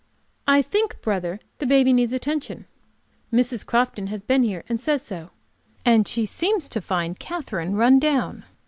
"I think, brother, the baby needs attention. Mrs. Crofton has been here and says so. And she seems to find Katherine run down.